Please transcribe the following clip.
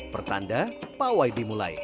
pertanda pawai dimulai